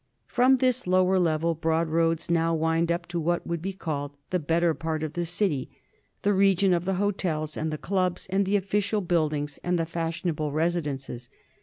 From this lower level broad roads now wind up to what would be called the better part of the city — the region of the hotels, and the clubs, and the official buildings, and the fashionable resi dences.